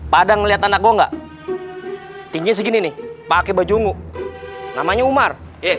pada melihat anak gua enggak ini segini nih pake baju umu namanya umar